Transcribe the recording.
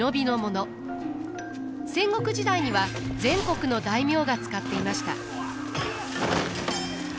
戦国時代には全国の大名が使っていました。